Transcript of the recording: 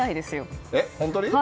本当に？